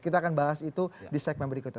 kita akan bahas itu di segmen berikutnya